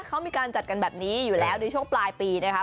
เขามีการจัดกันแบบนี้อยู่แล้วในช่วงปลายปีนะคะ